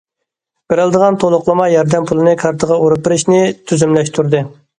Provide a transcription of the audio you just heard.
بېرىلىدىغان تولۇقلىما ياردەم پۇلىنى كارتىغا ئۇرۇپ بېرىشنى تۈزۈملەشتۈردى.